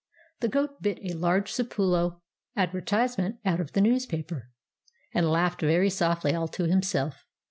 The goat bit a large Sapolio advertise ment out of the newspaper, and laughed very softly, all to himself.